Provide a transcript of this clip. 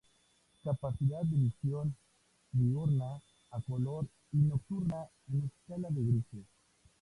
Capacidad de visión diurna a color y nocturna en escala de grises.